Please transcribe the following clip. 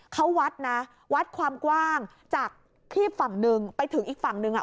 เขาวัดนะวัดความกว้างจากคีบฝั่งหนึ่งไปถึงอีกฝั่งหนึ่งอ่ะ